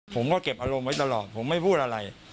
ผมก็เก็บอารมณ์ไว้ตลอดผมไม่พูดอะไร